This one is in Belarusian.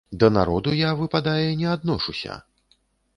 Да народу я, выпадае, не адношуся.